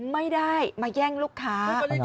ไม่ได้มาแย่งลูกค้า